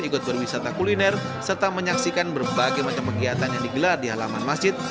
ikut berwisata kuliner serta menyaksikan berbagai macam kegiatan yang digelar di halaman masjid